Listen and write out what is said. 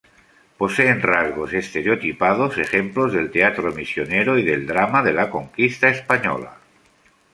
Poseen rasgos estereotipados ejemplos del teatro misionero y del drama de la Conquista española.